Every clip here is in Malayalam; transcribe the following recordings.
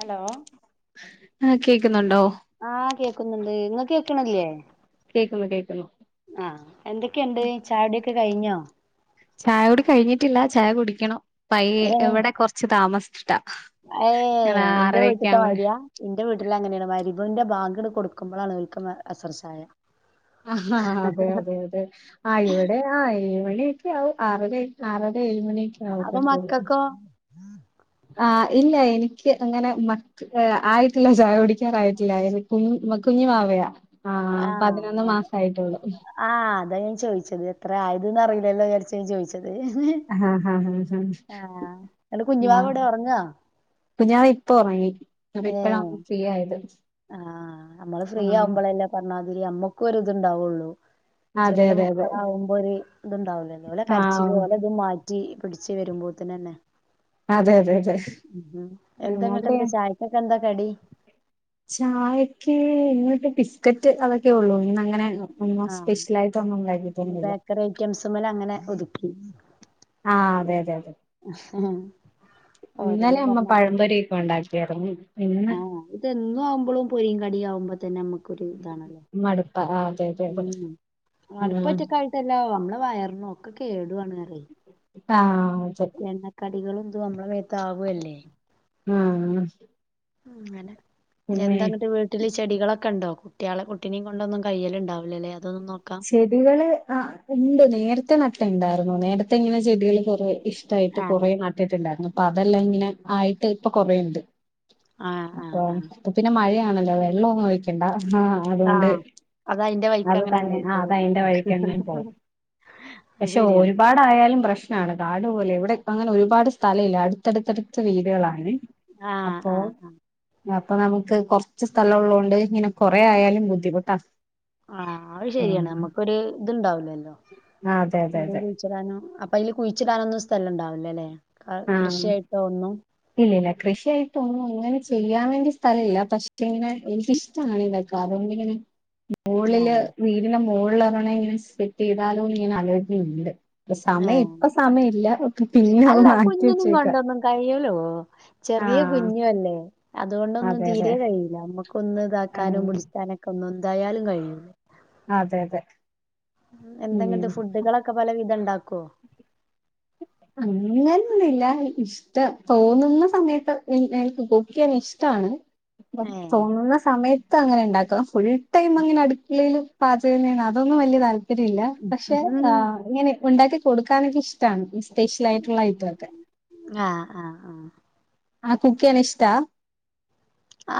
ഹലോ ആ കേക്ക്ന്ന്ണ്ടോ ആഹ് കേക്കുന്നുണ്ട് ഇങ്ങക്ക് കേക്ക്ണ്ല്ലേ കേൾക്ക്‌ന്ന് കേക്ക്‌ന്ന് ആഹ് എന്തൊക്കെയ്ണ്ട് ചായൊടിയൊക്കെ കഴിഞ്ഞോ ചായോടി കഴിഞ്ഞിട്ടില്ല ചായ കുടിക്കണം പൈയ്യെ ഇവിടെ കൊറച്ച് താമസിച്ചിട്ടാ ഏ ഞങ്ങള് ഇന്റെ ആറരയൊക്കെ വീട്ത്തെ ആവുമ്പഴേ മാരിയാ ഇന്റെ വീട്ടില് അങ്ങനെണ് മഗ്റിബിന്റെ ബാങ്ക് കൊടുക്കുമ്പോളാണ്ഓല്ക് അസർ ചായ ആ ആഹ അതെ അതെയഅതെ ആ ഇവിടെ ആ ഏഴുമണിയൊക്കെ ആ ആറര ആറര ഏഴുമണിയൊക്കെ ആ അപ്പൊ മക്കക്കോ ആഹ് ഇല്ല എനിക്ക് അങ്ങനെ മ ഏ ആയിട്ടില്ല ചായകുടിക്കാറായിട്ടില്ല എ കു കുഞ്ഞുവാവയാ ആഹ് അതെ ആഹ് അതാ ഞാൻ ചോയിച്ചത് എത്ര ആയത് ന്ന് അറീലല്ലോ വിചാരിച്ചു ഞാൻ ചോദിച്ചത് ആഹ് ആഹ് ഇങ്ങട്ട് കുഞ്ഞുവാവ ആഹ് എവിടെ ഒറങ്ങ? കുഞ്ഞാവ ഇപ്പൊറങ്ങി അപ്പൊ ഇപ്പഴ ഏഹ് ഒന്ന് ഫ്രീ ആയത് ആഹ് അമ്മള് ഫ്രീ ആഹ് ആവുമ്പളല്ലേ ഇപറഞ്ഞാതിരി നമ്മക്കും ഒര് ഇതുണ്ടാവൊള്ളു അതെ ചെറിയ അതെ അതെ മക്കളാവകുമ്പോ ഒരു ഇത്ണ്ടാവൂലല്ലേ ഓലെ ആഹ് കരച്ചില ഓലെ ഇതും മാറ്റു മാറ്റി പിടിച്ച് വരുമ്പോത്തിനന്നെ അതെ അതെ അതെ ഉം എന്താ ഇങ്ങട്ട് അവിടെയോ? എന്താ ചായക്കക്കെ എന്താ കടി? ചായക്ക് ഇന്നൊട്ട് ബിസ്ക്കറ്റ് അതൊക്കെ ഒള്ളൂ ഇന്ന് അങ്ങനെ അങ്ങ് ഒന്നും ആഹ് സ്പെഷ്യലായിട്ട് ഒന്നും ഇണ്ടാകിട്ട് ഇന്ന് ഒന്നുല്ല ബേക്കറി ഐറ്റംസ്മ്മല് അങ്ങനെ ഒതുക്കി ആഹ് അതെ അതെ അതെ ആഹ ഇന്നലെ അമ്മ പഴംപൊരിയൊക്കെ ഒണ്ടാക്കിയായിരുന്നു ഇന്ന് ഇത് എന്നും ആവുമ്പളും പൊരിം, കടിയാവുമ്പോ തന്നെ അമ്മക്കൊരു ഇതാണല്ലോ? മടുപ്പാ ആഹ് ആഹാ ഉം അടുപ്പ ഒറ്റക്കാ യിട്ടല്ല നമ്മളെ വയറിനും ഒക്കെ കേടുവാണ് പറിയെ ആഹ് അതെ എണ്ണ കടികളും ഇതും നമ്മളെ മേത്ത് ആവല്ലേ? ആഹ് അങ്ങനെ പിന്നെ എന്താ ഇങ്ങട്ട് വീ വീട്ടില് ചെടികളക്കെണ്ടോ? കുട്ടിയാളെ കുട്ടിനിം കൊണ്ടൊന്നും കയ്യില് ഇണ്ടാവൂലല്ലേ അതൊന്നും നോക്കാൻ? ചെടികള് ആഹ് ഇണ്ട് നേരത്തെ നട്ടെ ഇണ്ടായിര്ന്നു നേരത്തെ ഇങ്ങനെ ചെടികള് കൊറേ ഇഷ് ഇഷ്ട്ടായിട്ട് ആഹ് കൊറേ നാട്ടിട്ട് ഇണ്ടായിരുന്നു അപ്പൊ അതെല്ലാം ഇങ്ങനെ ആയിട്ട് ഇപ്പൊ കൊറേയിണ്ട് ആഹ് ആഹ് ആഹ് ഇപ്പൊ പിന്നെ മഴയാണല്ലോ വെള്ളം ഒന്നും ഒഴിക്കണ്ട ആഹ് അതുകൊണ്ട് ആഹ് അത് അതിന്റെ വഴി അത് തന്നെ ആഹ് അത് അയിന്റെ വഴിക്കങ്ങ് പോവും അത് പക്ഷെ ശരിയാണ് ഒരുപാട് വലുപ്പായാലും പ്രശ്നാണ് കാട് പോലെ ഇവിടെ ഇപ്പങ്ങനെ ഒരുപാട് സ്ഥലയില്ല അടുത്തടുത്ത് വീടുകളാണെ ആഹ് അപ്പൊ ആഹ് അപ്പൊ നമുക്ക് കൊറച്ച് സ്ഥലം ഒള്ളോണ്ട് ഇങ്ങനെ കൊറേ ആയാലും ബുദ്ധിമുട്ടാ ആഹ് അത് ശരിയാണ് ആഹ് നമ്മക്കൊര് ഇത്ണ്ടാവുലല്ലോ ആഹ് അതെ അതെ [unintelligible] അതെ കുഴിച്ചിട്ടാനും അപ്പൊ അയില് കുഴിച്ചിടാനൊന്നും സ്ഥലം ഇണ്ടാവില്ലല്ലെ? കൃഷിയായിട്ട് ഒന്നും ഇല്ലയില്ല കൃഷിയായിട്ട് ഒന്നും ഇങ്ങനെ ചെയ്യാൻ വേണ്ടി സ്ഥലയില്ല പക്ഷെ ഇക്കിങ്ങനെ എനിക്കിഷ്ട്ടാണ് ഇതൊക്കെ അതുകൊണ്ടിങ്ങനെ ഉം മുകളില് വീടിന്റെ മോളിലങ്ങനെ സെറ്റ് ചെയ്താലോ എന്നിങ്ങനെ അലോജനയുണ്ട് ഇപ്പ സമയം ഏഹ് ഇപ്പ സമയില്ല പിന്നെ അല്ല [unintelligible] കുഞ്ഞിനും കൊണ്ടൊന്നും കയിയൂലോ ചെറിയ ആഹ് കുഞ്ഞുവല്ലേ അത് കൊണ്ടൊന്നും അതെ അതെ തീരെ കഴിയില്ല അമ്മക്ക് ഒന്ന് ഇതാക്കാനും ആഹ് പിടിച്ചാനൊക്കെ ഒന്ന് എന്തായാലും കഴിയൂല്ല അതെ അതെ എന്ത ഇങ്ങട്ട് ഉം ഫുഡുകളൊക്കെ പലവിധം ഇണ്ടാക്കുവോ? അങ്ങനെയൊന്നുല്ല ഇഷ് ട്ട തോന്നുന്ന സമയത്ത് പിന്നെ എനിക്ക് കുക്ക് ചെയ്യാൻ ഇഷ്ട്ടവാണ് ഏഹ് തോന്നുന്ന സമയത്ത് അങ്ങനെ ഇണ്ടാക്ക ഫുൾ ടൈം അങ്ങനെ അടുക്കളയില് പാചകന്നാണ് അതൊന്നും വലിയ താല്പര്യംമില്ല പക്ഷെ ഉം ആഹ് ഇങ്ങനെ ഉണ്ടാക്കി കൊടുക്കാനൊക്കെ ഇഷ് ടാണ് സ്പെഷ്യലായിട്ടുള്ള ഐറ്റൊക്കെ ആഹ് ആഹ് ആഹ് ആഹ് കുക്ക് ചെയ്യാൻ ഇഷ്ടാ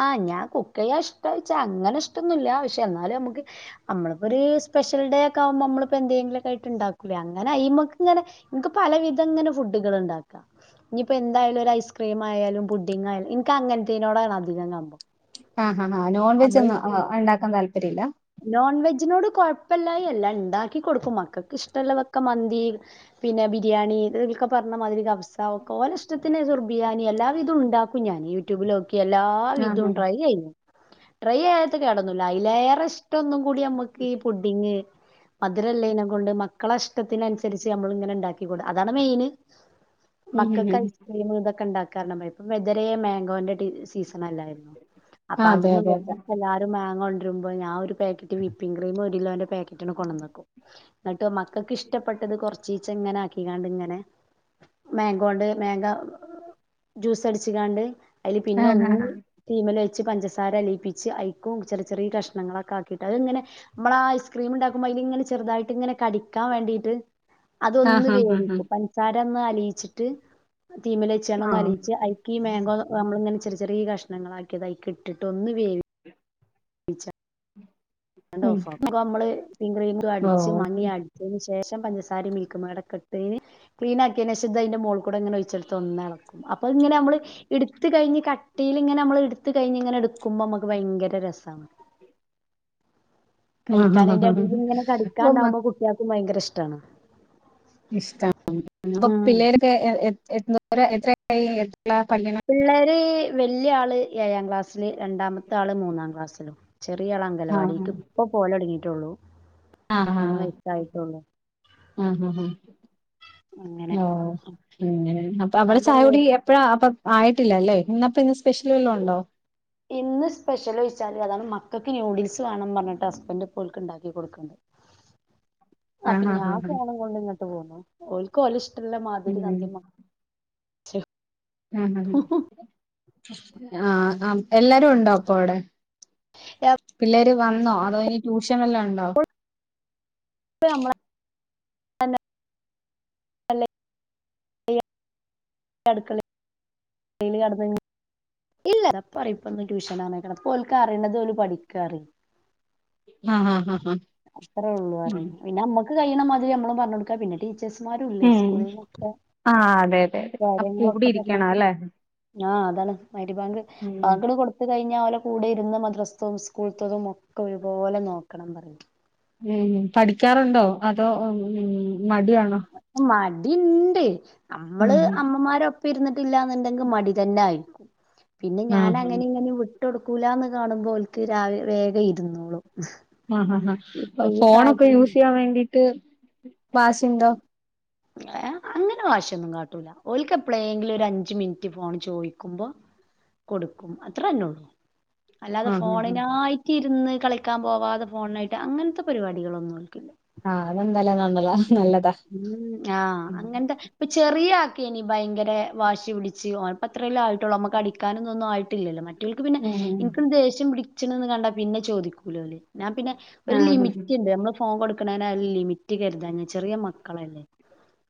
ആഹ് ഞാൻ കുക്ക് ചെയ്യാൻ ഇഷ്ടാച്ചാ അങ്ങനെ ഇഷ്ടൊന്നുവില്ല പക്ഷെ എന്നാലും നമുക്ക് നമ്മളിപ്പൊ ഒരു സ്പെഷ്യൽ ഡേ ഒക്കെ ആവുമ്പോ നമ്മളിപ്പോ എന്തെങ്കിലൊക്കെ ആയിട്ട് ഉണ്ടാക്കൂലേ അങ്ങനെ അയ്മക്ക് ഇങ്ങനെ നമുക്ക് പലവിധം ഇങ്ങനെ ഫുഡുകൾ ഉണ്ടാക്കാം ഇനിയിപ്പോ എന്തായാലും ഒരു ഐസ്ക്രീം ആയാലും പുഡ്ഡിങ് ആയാലും എനിക്ക് അങ്ങനത്തെയിനോടാണ് അധികം കംമ്പം ആഹ് ഹാ ആ നോൺ വെജ് ഒന്നും ഉണ്ടാക്കാൻ താല്പര്യമില്ല നോൺ വെജിനോട് കൊഴപ്പമില്ലായിക അല്ല ഉണ്ടാക്കി കൊടുക്കും മക്കൾക്ക് ഇഷ്ടമുള്ളതൊക്കെ മന്തി പിന്നെ ബിരിയാണി ഇതൊക്കെ പറഞ്ഞ മാതിരി അവസ്ഥ സ ഓല ഇഷ്ടത്തിന് സുർബിയാന എല്ലാവിധവും ഉണ്ടാക്കും ഞാൻ യൂട്യൂബില് നോ എല്ലാ ആഹ് വിധവും ഉം ട്രൈ ചെയ്യും ട്രൈ ചെയ്യാത്ത കേടൊന്നൂല്ല അതിലേറെ ഇഷ് ടം ഒന്നും കൂടി നമ്മക്ക് പുഡ്ഡിങ് മധുരല്ലേെ കൊണ്ട് മക്കളെ ഇഷ്ടത്തിനനുസരിച്ച് നമ്മള് ഇങ്ങനെ ഉണ്ടാക്കി കൊടുക്കും അതാണ് മെയിൻ ഉം മക്കൾക്ക് ഉം ഐസ്ക്രീം ഇതൊക്കെ ഉണ്ടാക്കാൻ ഇപ്പം എതരെ മാങ്കോന്റെ സീസൺ അല്ലായിരുന്നു ആ, അപ്പൊ അതെ അവിടുന്നും അതെ അതെ ഇവിടുന്നും എല്ലാരും മാങ്ങ കൊണ്ടിരുമ്പോ ഞാൻ ഒരു പാക്കറ്റ് വിപ്പിംഗ് ക്രീമും ഒരു കിലോന്റെ പാക്കറ്റിങ്ങ് കൊണ്ടുന്ന് വെക്കും എന്നിട്ട് മക്കൾക്ക് ഇഷ്ടപ്പെട്ടത് കൊറച്ചീച്ച് ഇങ്ങനെ ആക്കി കാണ്ടിങ്ങനെ മാങ്കോ ഉണ്ട് മാങ്ങോ ജ്യൂസ് അടിച്ച് കാണ്ട് അതില് പിന്നെ ആഹ് ഒന്ന് ആഹ് അതീമേൽ വെച്ച് പഞ്ചസാര അലയിപ്പിച്ച് അയിക്കും ചെറിയ ചെറിയ കഷ്ണങ്ങളൊക്കെ ആ കിട്ടാ അത് ഇങ്ങന നമ്മള് ആഹ് ഐസ്ക്രീം ഉണ്ടാക്കുമ്പോ അതില് ഇങ്ങനെ ചെറുതായിട്ടീങ്ങനെ കടിക്കാൻ വേണ്ടീട്ട് ആഹ് അതൊന്ന് ആഹ് ആഹ് ആഹ് വേവിക്കും പഞ്ചസാര ഒന്ന് അലിയിച്ചിട്ട് തീയുമേലെ വെച്ചോണം ഒന്ന് ആഹ് അലിയിച്ച് ഐ ഈ മാംഗോ നമ്മള് ഇങ്ങനെ ചെറിയ ചെറിയ കഷ്ണങ്ങള് ആക്കി അതയിക്ക് ഇട്ടിട്ട് ഒന്ന് വേ വിച്ച് ഉം ഓഫ് ആക്കും നമ്മള് വിപിംങ്ങ് ക്രീം അടിച്ച് ഓഹ് മാങ്ങേയടി ച്ചതിന് ശേഷം പഞ്ചസാരേം മിൽക്കു മെയിഡ് ഒക്കെ ഇട്ട് ക്ലീൻ ആക്കിയതിന് ശേഷം ഇത് അതിന്റെ മോളി കൂടെ ഇങ്ങനെ ഒഴിച്ചൊടുത്ത് ഒന്ന് ഇളക്കും അപ്പൊ ഇങ്ങനെ നമ്മള് ഇടു എടുത്ത് കഴിഞ്ഞ് കട്ടിയിലിങ്ങനെ നമ്മള് എടുത്ത് കഴിഞ്ഞ് ഇങ്ങനെ എടുക്കുമ്പോൾ നമുക്ക് ഭയങ്കര രസാണ് ആഹ് കഴിക്കാൻ ആഹ് അയിന്റെ ആഹ് അടിയിൽ ആഹ് ഇങ്ങനെ അപ്പം കടിക്കാണ്ടാകുമ്പോ കുട്ടികൾക്കും ഭയങ്കര ഇഷ്ടമാണ് ഇഷ്ടാണ് അപ്പൊ ഉം പിള്ളേരൊക്കെ എ എത്ര എത്രയിലാ പഠിക്കുന്നെ പിള്ളേര് വല്ല്യ ആള് ഏഴാം ക്ലാസ്സില് രണ്ടാമത്തെ ആള് മൂന്നാം ക്ലാസ്സില് ചെറിയ ആള് ആഹ് അംഗണവാടിക്ക് ഇപ്പൊ പോകാൻ തുടങ്ങിയിട്ടുള്ളു ആഹ് ആഹ് ആഹ്‌ ആഹ് അങ്ങനെ ഓ ഉം അപ്പൊ അവിടെ ഞാൻ ചായ പറയാ കുടി എ ഇപ്പഴ് അപ്പൊ ആയിട്ടില്ല അല്ലേ ഇന്നപ്പോ ഇന്ന് സ്പെഷ്യൽ വല്ലോം ഉണ്ടോ ഇന്ന് സ്പെഷ്യൽോഴിച്ചാല് അതാണ് മക്കൾക്ക് യൂഡിൽസ് വേണംന്ന് പറഞ്ഞിട്ട് ഹസ്ബൻഡ് പോലക്ക് ഉണ്ടാക്കി കൊടുക്കണ്ട് അപ്പൊ ആഹ് ആഹ് ഞാൻ ആഹ് പോണം കൊണ്ട് ഇങ്ങോട്ട് പോന്നു ഓരിക്ക് ഓല് ഇഷ്ടമുള്ള മാതിരി ഉം ഉം ഉം ആഹ് ആഹ് എല്ലാരും ഉണ്ടോ അപ്പൊ അവിടെ? [unintelligible] പിള്ളേര് വന്നോ അതോ ഇനി ട്യൂഷൻ വല്ലോ ഉണ്ടോ? [unintelligible] അടുക്കള ഡെയിലി കടന്ന് കഴി ഇല്ല ഇപ്പ റിം ഇപ്പൊന്നും ട്യൂഷനാണ് കാരണം ഇപ്പോൽക്ക് അറിണത് ഓല് പഠിക്കാറിം ആഹ് ആഹ് ആഹ് ആഹ് അത്രെ ഒള്ളൂ ഉം അറിം പിന്നെ അമ്മക്ക് കയ്യ്ണ മതിരി അമ്മളും പർഞ്ഞൊട്ക്കാ പിന്നെ ടീച്ച ച്ചേഴ്സ് മാരും ഇല്ലേ ഉം സ്കൂൾന്നൊക്കെ. ആഹ് അതെ അതെ അതെ അപ്പൊ കൂടി ഇരിക്കണം പറഞ്ഞാതിരി അല്ലെ. ആഹ് അതാണ് മഗ്‌രിബാങ്ക് ഉം ബാങ്ക് ഇണ്ട് കൊടു ത്ത് കഴിഞ്ഞ ഓലെ കൂടെ ഇരുന്ന് മദ്രസ്ത്തെതും സ്കൂൾത്തതും ഒക്കെ ഒരുപോലെ നോക്കണം പറയും ഉം പഠിക്കാറുണ്ടോ അതോ ഉം ഉം മടിയാണോ മടി ഇണ്ട് അമ്മള് ആഹ് അമ്മമാരൊ പ്പം ഇര്ന്ന്ട്ടില്ലന്ന്ണ്ടെങ്ക് മടി തന്നെ ആയിരിക്കും പിന്നെ ഞാൻ ആഹ് അങ്ങനിം ഇങ്ങനിം വി ട്ടൊടുക്കൂലാന്ന് കാണുമ്പോ ഓല്ക്ക് രാവ് വേഗം ഇരുന്നോളും. ആഹ് ആഹ് ഇപ്പൊ ആഹ് ഈ ഫോണൊക്കെ പ്രായത്തില് യൂസെയ്യാൻ വേണ്ടീട്ട് വാശിണ്ടോ ഏഹ് ഹേ അങ്ങനെ വാശിയൊന്നും കാട്ടൂല ഓല്ക്ക് എപ്പ്ളേങ്കിലും ഒരു അഞ്ച് മിൻറ്റ് ഫോൺ ചോയിക്കുമ്പൊ കൊട്ക്കും അത്രന്നെ ഒള്ളൂ അല്ലാതെ ആഹ് ആഹ് ആഹ് ഫോണിനായി റ്റ് ഇരുന്ന് കളിക്കാൻ പോവാതെ ഫോണ്നായിട്ട് അങ്ങൻത്തെ പരിപാടികളൊന്നും ഓൽക്കില്ല ആഹ് അതെന്തായാലും നന്നതാ നല്ലതാ ഉം ആഹ് ഉം അങ്ങൻത്തെ പ്പ ചെറിയ ആക്കേയ്നി ഭയങ്കരെ വാശി പിടിച്ച് ഒന്പ്പത്രല്ലെ ആയിട്ടൊള്ളൂ അമ്മക്ക് അടിക്കാനൊന്നൊന്നും ആയിട്ടില്ലല്ലോ മറ്റേ റ്റോൽക്ക് പിന്നെ ഇൻക്ണ്ട് ദേഷ്യം പിടിച്ച്ണ്ന്ന് കണ്ടാ പിന്നെ ചോദിക്കൂലോല്. ഞാൻ പിന്നെ ആഹ് ഒരു ആഹ് ലിമിറ്റ് ഇണ്ട് നമ്മള് ഫോൺ കൊട്ക്ക്ണേനായാലും ലിമിറ്റ് കെര്താഞ്ഞ ചെറിയ മക്കളല്ലേ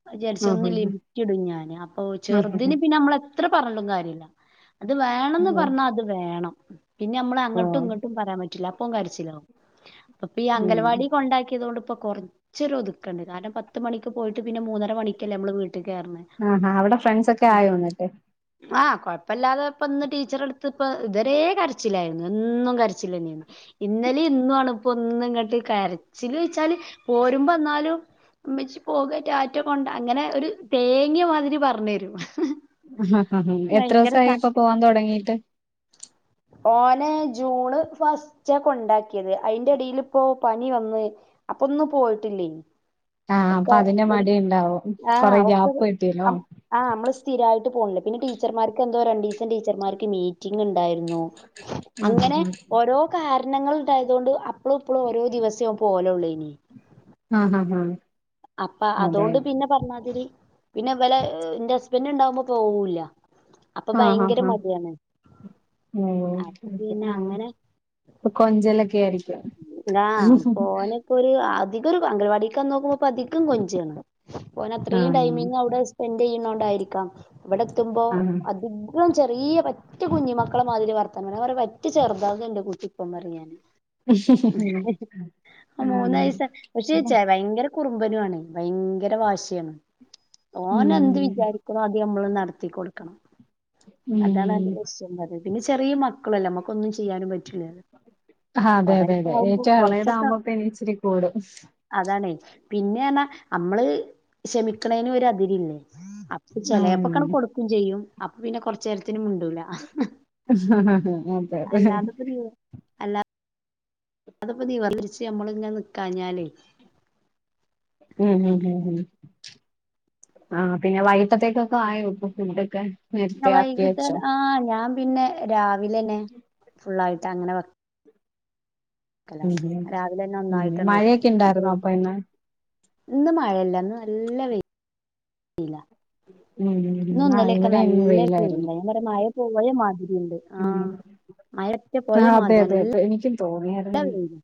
അഹ് വിചാരിച്ചൊന്ന് ആഹ് ലിമിറ്റ്ടും ഞാന് അപ്പൊ ചെറ്തിന് പിന്നെ അമ്മളെ ത്ര പർഞ്ഞ്ട്ടും കാര്യല്ല അത് വേണംന്ന് ഓഹ് പർഞ്ഞാ അത് വേണം പിന്നെ അമ്മള് അങ്ങട്ടും ഇങ്ങട്ടും പറയാൻ പറ്റൂല അപ്പോൻ കരിച്ചിലാവും പ്പൊപ്പി അംഗൽവാടി കൊണ്ടാക്കിയതോണ്ട് ഇപ്പൊ കൊർച്ചൊരു ഒതു ക്കണ്ട് കാരണം പത്ത് മണിക്ക് പോയിട്ട് പിന്നെ മൂന്നര മണിക്കല്ലേ നമ്മള് വീട്ടിക് കേറ്ണ് ആഹ് ആഹ് അവിടെ ഫ്രണ്ട്സ് ഒക്കെ ആയോന്ന്ട്ട്. ആഹ് കൊഴപ്പല്ലാതെ ഇപ്പന്ന് ടീച്ചറെട്ത്ത്പ്പൊ ഇതുവരേ കരച്ചില്ലായിര്ന്ന് എന്നും കരച്ചിലെന്നേയ്നി ഇന്നലി ഇന്നു ആണ് ഇപ്പൊ ഒന്ന് ഇങ്ങട്ട് കരച്ചില്ച്ചാല് പോരുമ്പന്നാലും. ഇമ്മച്ചി പോക റ്റാറ്റ കൊണ്ട അങ്ങനെ ഒരു തേങ്ങിയ മാതിരി പർഞ്ഞെരും ആഹ് ആഹ് എത്രോസായി ഇപ്പ പോവാൻ തൊടങ്ങിയിട്ട് ഓനെ ജൂണ് ഫസ്റ്റാ കൊണ്ടാക്കിയേത് അയ്‌ന്റെ എടീല് പ്പോ പനി വന്ന്. അപ്പൊന്നും പോയിട്ടില്ലേയ്നി ആഹ് അപ്പൊ ഒക്കെ അതിന്റെ ഒരു മടി ഇണ്ടാവും കൊറെ ആഹ് ഒക്കൊരു ഗ്യാപ്പ് കിട്ടിയല്ലോ അം ആഹ് അമ്മള് സ്ഥിരയിട്ട് പോണല്ലോ പിന്നെ ടീച്ചർമാർക്ക് എന്തോ രണ്ടീസം ടീച്ചർമാർക്ക് മീറ്റിംങ് ഇണ്ട ന്നു അങ്ങനെ ആഹ് ഓരോ കാരണങ്ങള് ഇണ്ടായതോണ്ട് അപ്പളും ഇപ്പളും ഓരോ ദിവസേ ഓൻ പോവലൊള്ളോയിനി. ആഹ് ആഹ് ആഹ് അപ്പ അതോണ്ട് പിന്നെ പർഞ്ഞാതിരി പിന്നെ ഇവലെ എഹ് ഇന്റെ ഹസ്ബൻഡ് ഇണ്ടാവുമ്പൊ പോവൂല്ല അപ്പ ഭയങ്കര മടിയാണ്. നോലോളിക്കും അപ്പൊ ഇര്ന്ന്ട്ട് പിന്നെ ആഹ് അങ്ങനെ ഒര് കൊഞ്ചലൊക്കെ ആയിരിക്കും ഇപ്പൊ ഒരു അധികം ഒരു അംഗലവാടിക്ക് ചെന്നോക്കുമ്പൊ പ്പൊ അധികം കൊഞ്ചാണ് പ്പൊ ഓന് അത്രീം ആഹ് ടൈമിങ് അവിടെ സ്പെന്റെയ്യ്ണോണ്ടായിരിക്കാം ഇവടെ എത്തുമ്പോ ആഹ് അത് കം ചെറിയ പറ്റെ കുഞ്ഞി മക്കളെ മാതിരി വർത്തനം ഞാൻ പറയും പറ്റെ ചെറ്താകാ ന്റെ കൂട്ടിപ്പം ന്ന് പറയും ഞാന്. ആഹ് അഹ് മൂന്ന് വയസ് പക്ഷേ അപ്പം ച്ചെ എ ഭയങ്കര കുറുമ്പനു ആണ് ഭയങ്കര വാശിയാണ് ഉം ഓനെന്ത് വിചാരി അദ്യം അമ്മള് നടത്തി കൊട്ക്കണം. ഉം അതാണ് അയിൻ്റെ [unintelligible] പിന്നെ ചെറിയ മക്കളു അല്ലെ. അമ്മക്കൊന്നും ചെയ്യാനും പറ്റൂല. ആഹ് അതെ അതെ അതെ. ഏറ്റവും എളേതാവുമ്പം പ്പൊ ഇനി ഇച്ചിരി കൂടും. അതാണെ. പിന്നെ ന്നെർഞ്ഞാ അമ്മള് ക്ഷമിക്കണേന ും ഒര് അതിരില്ലെ. അപ്പം ഉം ചെലേപ്പൊക്കണ്ട് കൊടുക്കും ചെയ്യും. അപ്പൊ പിന്നെ കൊർച്ചേ ര്ത്തിന് മിണ്ടൂല. അതെ. അല്ലാതപ്പ അത് പ്പൊ നിവർ തിരിച്ച് അമ്മള് ങ്ങനെ നിക്കാഞ്ഞാലെ ഉം ഉം ഉം ഉം. ആഹ് പിന്നെ വൈട്ടത്തേക്കൊക്കെ ആയൊ പ്പൊ ഫുഡൊക്കെ? നേരത്തെ ആക്കി വൈകിട്ടേര വെച്ചോ ആഹ് ഞാം പിന്നെ രാവിലെന്നെ ഫുള്ളായിട്ട് അങ്ങനെ വെ.... ഉം ഉം. രാവിലെന്നെ ഉം ഒന്നായിട്ടണ് വെക്കും മഴയൊക്കെ ഇണ്ടായി ർന്നൊ അപ്പൊ ഇന്ന്? ഇന്ന് മഴയില്ല. ന്ന് നല്ല വെയി.... ന്നു ഉം ആഹ് ന്നെലൊക്കെ ഇവിടെ ഇന്ന് നല്ല വെയിലാ. വെയിലായിരുന്നു ഞാം പറയാ മഴ പോയ മാതിരിയ്ണ്ട്. ഉം ആഹ് മഴ [unintelligible] പോയ ആഹ് അതെ മാതിരിയാ അതെ നല്ല അതെ എനിക്കും തോന്നിയായിരുന്നു ല്ലവെയില്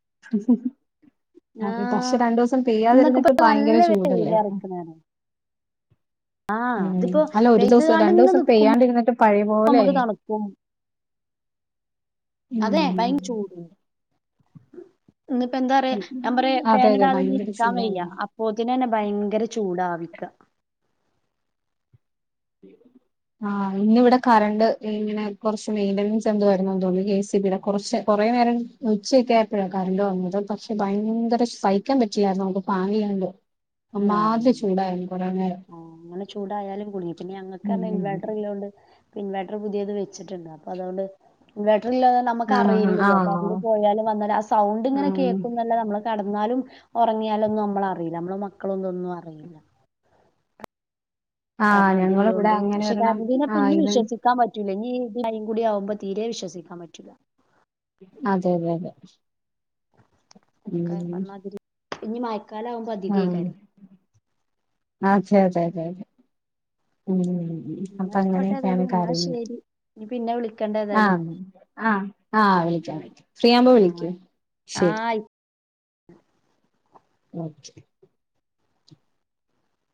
അതെ പക്ഷെ ആഹ്. രണ്ടൂസം ഇന്നൊക്കെ പ്പ പെയ്യാതിരുന്നിട്ട് നല്ല ഭയങ്കര ചൂടല്ലായിരുന്നോ വെയ്ലാണ് [unintelligible] ഉം. ഇതിപ്പോ അല്ല ഒരു പെയ്ത് ദൂസം രണ്ടൂസം കാണ്ട്ങ്ങനെ പെയ്യാണ്ടിരുന്നിട്ട് പഴയ നമുക്ക് പോലൊയി. തണുക്കും അതെ. ഉം ഭയങ്കര ചൂടും. ന്ന് പ്പ എന്താറയാ ഞാം പറയാ അതെ ഫന് അതെ ടാതെന്ന് ഭയങ്കര ഇരിക്കാം വെയ്യാ. ചൂടായിരുന്നു പോത്തിനന്നെ ഭയങ്കര ചൂടാവിക്ക. ഉ ആഹ് ഇന്ന് വിടെ കറണ്ട് ഇങ്ങനെ കൊർച്ച് മെയിന്റനൻസ് എന്തോ ആയിരുന്നു തോന്ന്ണു ഏ സി ബി യ്ടെ കൊറച്ച് കുറേ നേരം ഉച്ചൊക്കെ ആയപ്പഴാ കറണ്ട് വന്നത്. പക്ഷെ ഭയങ്കര സഹിക്കാൻ പറ്റില്ലായിരുന്നു [unintelligible] ഫാനില്ലണ്ട്. ആഹ് അമ്മാതിരി ചൂടായിരുന്നു കൊറെ നേരം ആഹ് അങ്ങനെ ചൂടായാലും കുടുങ്ങി. പിന്നെ ഞങ്ങക്കാർഞ്ഞാ ഉം ഇൻവേർട്ടറ്‌ള്ളേണ്ട് ഇൻവേട്ടർ പുതിയേത് വെച്ചിട്ടുണ്ട്. അപ്പ അതോണ്ട് ഇൻവേട്ടർ ഇല്ലാതെ നമുക്ക് ആഹ് അറിയില്ലല്ലൊ. ആഹ് കറണ്ട് പോയാലും വന്നാലു ആ സൗണ്ട് ങ്ങനെ ആഹ് കേൾക്കും ന്നല്ലാതെ അമ്മള് കടന്നാലും, ഒറങ്ങിയാലൊന്നും അമ്മളറീല. അമ്മള് മക്കള് തൊന്നും അറീല. ആഹ് കാരണം ഞങ്ങളിവിടെ അത്‌ള്ളോണ്ട്. അങ്ങനെ പക്ഷെ ഒരെണ്ണം കര് ണ്ടിനെ ആഹ് പിന്നിം ഇത് വിശ്വസി.... ക്കാം പറ്റൂല. ഇഞ്ഞി ഈ മഴെം കൂടി ആവുമ്പ തീരെ വിശ്വസിക്കാം പറ്റൂല. അതെ, അതെ, അതെ. ക്കെ ഉം പർഞ്ഞാതിരി. ഇഞ്ഞി മയക്കാലാ വുമ്പ അധികേക്കാരം. ആഹ് ചെ, ചെ, ജെ, ജെ ഉം. ഉം ഉം ഉം. അപ്പ ന്നാ ആയിക്കോട്ടെ അങ്ങനെയൊക്കെയാണ് ഏതായാലും ന്നാ കാര്യങ്ങള്. ശരി ഇനി പിന്നെ വിളിക്കണ്ട ഏതായാലും ആഹ്, ആഹ് ആഹ് വിളിക്കാം, വിളിക്കാം. ഫ്രീയാവുമ്പൊ വിളിക്ക്. ആഹ് ശരി ആയി ഉം